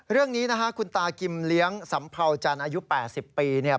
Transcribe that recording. เรื่องนี้คุณตากิมเลี้ยงสำเภาจันทร์อายุ๘๐ปี